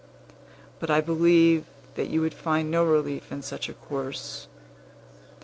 But I believe that you would find no relief in such a course.